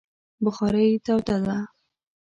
بخارۍ توده ده